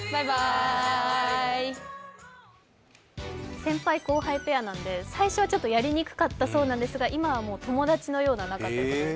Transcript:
先輩・後輩ペアなんで最初はやりにくかったようなんですが、今は、もう友達のような仲だそうです。